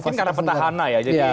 mungkin karena petahana ya